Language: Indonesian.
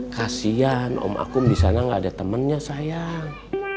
kasian om akum disana gak ada temennya sayang